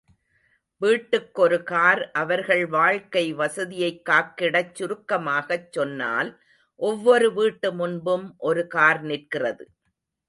வீட்டுக்கொரு car அவர்கள் வாழ்க்கை வசதியைக் காக்கிடச் சுருக்கமாகச் சொன்னால் ஒவ்வொரு வீட்டு முன்பும் ஒரு கார் நிற்கிறது.